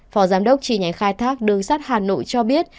phó giám đốc tri nhánh khai thác đường sắt hà nội cho biết